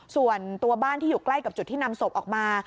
ส่วนตัวบ้านที่อยู่ใกล้กับจุดที่นำศพออกมา